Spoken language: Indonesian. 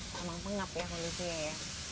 memang pengap ya kondisinya ya